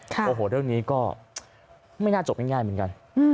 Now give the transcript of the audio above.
โอ้โหเรื่องนี้ก็ไม่น่าจบง่ายเหมือนกัน